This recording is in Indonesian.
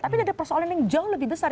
tapi ini ada persoalan yang jauh lebih besar